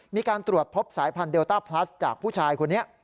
มีการตรวจพบสายพันธุเดลต้าพลัสจากผู้ชายคนนี้